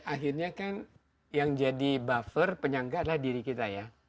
akhirnya kan yang jadi buffer penyangga adalah diri kita ya